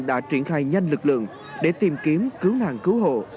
đã triển khai nhanh lực lượng để tìm kiếm cứu nạn cứu hộ